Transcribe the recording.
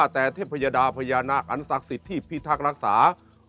แต่เทพยดาพญานาคอันศักดิ์สิทธิ์ที่พิทักษ์รักษา